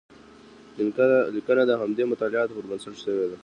لیکنه د همدې مطالعاتو پر بنسټ شوې ده.